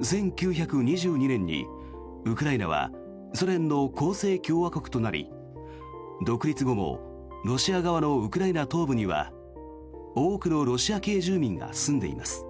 １９２２年にウクライナはソ連の構成共和国となり独立後もロシア側のウクライナ東部には多くのロシア系住民が住んでいます。